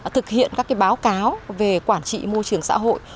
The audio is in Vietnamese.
thực hiện các báo cáo về quản trị môi trường xã hội